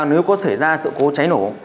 nếu có xảy ra sự cố cháy nổ